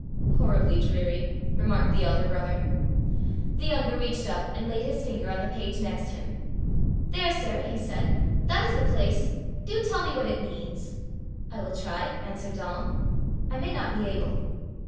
"Horribly dreary," remarked the elder brother. The younger reached up, and laid his finger on the page next him. "There, sir!" he said; "that is the place: do tell me what it means." "I will try," answered Donal; "I may not be able."